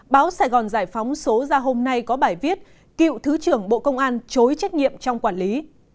báo sài gòn giải phóng số ra hôm nay có bài viết cựu thứ trưởng bộ công an chối trách nhiệm trong quản lý